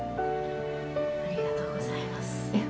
ありがとうございます。